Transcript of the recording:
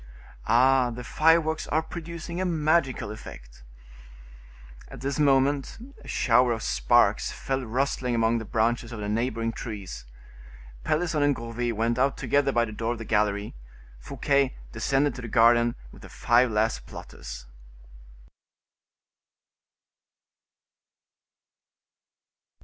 Ah! the fireworks are producing a magical effect." At this moment a shower of sparks fell rustling among the branches of the neighboring trees. Pelisson and Gourville went out together by the door of the gallery; Fouquet descended to the garden with the five last plotters.